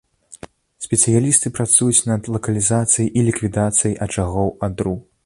Спецыялісты працуюць над лакалізацыяй і ліквідацыяй ачагоў адру.